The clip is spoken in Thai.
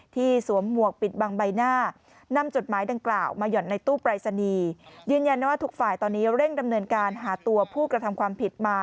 สวมหมวกปิดบังใบหน้านำจดหมายดังกล่าวมาหย่อนในตู้ปรายศนีย์ยืนยันว่าทุกฝ่ายตอนนี้เร่งดำเนินการหาตัวผู้กระทำความผิดมา